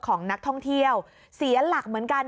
ของนักท่องเที่ยวเสียหลักเหมือนกัน